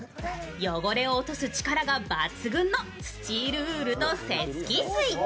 汚れを落とす力が抜群のスチールウールとセスキ水。